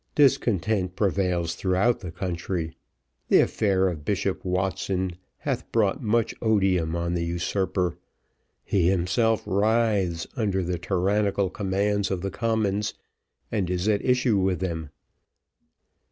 Discontent prevails throughout the country. The affair of Bishop Watson hath brought much odium on the usurper. He himself writhes under the tyrannical commands of the Commons, and is at issue with them."